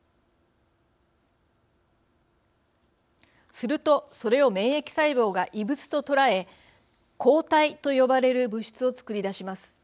するとそれを免疫細胞が異物と捉え抗体と呼ばれる物質を作り出します。